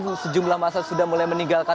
meskipun sejumlah masalah sudah mulai meninggalkan